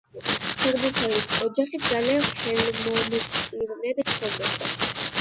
ფეხბურთელის ოჯახი ძალიან ხელმომჭირნედ ცხოვრობდა.